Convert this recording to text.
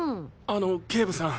あの警部さん？